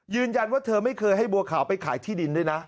ยืนยันว่าเธอไม่เคยให้บัวขาวไปขายที่ดินด้วยนะ